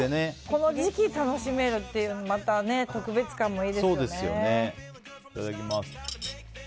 この時期、楽しめるというまた特別感もいいですよね。